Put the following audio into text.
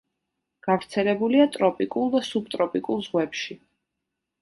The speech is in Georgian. გავრცელებულია ტროპიკულ და სუბტროპიკულ ზღვებში.